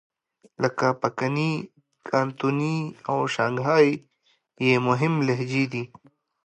لکه پکني، کانتوني او شانګهای یې مهمې لهجې دي.